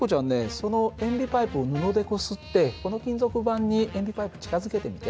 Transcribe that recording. その塩ビパイプを布でこすってこの金属板に塩ビパイプ近づけてみて。